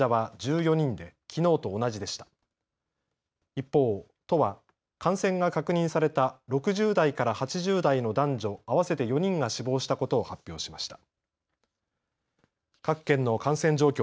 一方、都は、感染が確認された６０代から８０代の男女合わせて４人が死亡したことを発表しました。